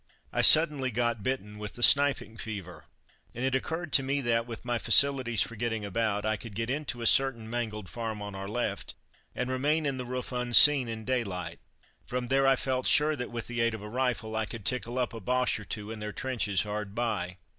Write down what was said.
I suddenly got bitten with the sniping fever, and it occurred to me that, with my facilities for getting about, I could get into a certain mangled farm on our left and remain in the roof unseen in daylight. From there I felt sure that, with the aid of a rifle, I could tickle up a Boche or two in their trenches hard by.